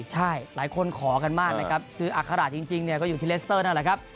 ใช่หลายคนขอกันมากนะครับคืออัคระจริงเนี่ยก็อยู่ที่เลสเตอร์นั่นแหละครับ